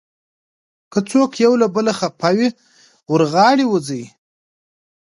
که څوک یو له بله خفه وي، ور غاړې وځئ.